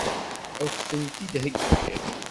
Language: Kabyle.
Ad k-tent-id-heggiɣ?